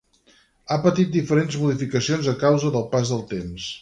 Ha patit diferents modificacions a causa del pas del temps.